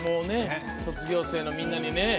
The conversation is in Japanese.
卒業生のみんなにね。